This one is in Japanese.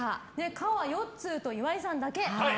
可はよっつーと岩井さんだけ。